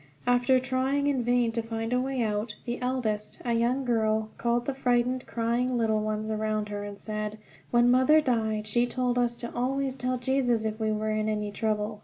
After trying in vain to find a way out, the eldest, a young girl, called the frightened, crying little ones around her and said: "When mother died she told us to always tell Jesus if we were in any trouble.